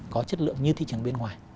có chất lượng như thị trường bên ngoài